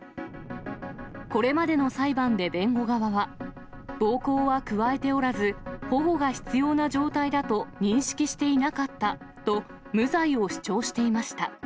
これまでの裁判で弁護側は、暴行は加えておらず、保護が必要な状態だと認識していなかったと、無罪を主張していました。